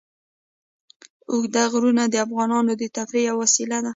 اوږده غرونه د افغانانو د تفریح یوه وسیله ده.